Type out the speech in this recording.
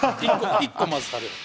１個、まず食べろと。